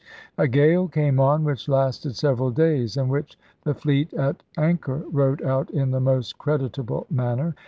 A gale came on which lasted sev eral days, and which the fleet at anchor rode out in the most creditable manner.